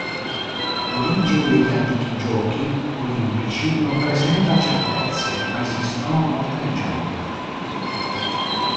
L'origine degli antichi Giochi olimpici non presenta certezze ma esistono molte leggende.